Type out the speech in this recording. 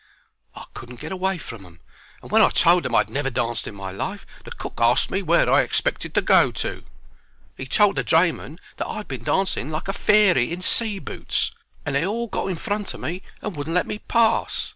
I couldn't get away from 'em, and when I told them I 'ad never danced in my life the cook asked me where I expected to go to. He told the drayman that I'd been dancing like a fairy in sea boots, and they all got in front of me and wouldn't let me pass.